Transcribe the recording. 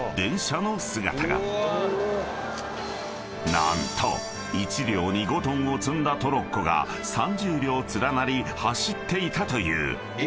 ［何と１両に５ｔを積んだトロッコが３０両連なり走っていたという］